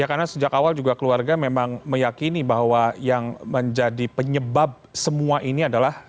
karena sejak awal juga keluarga memang meyakini bahwa yang menjadi penyebab semua ini adalah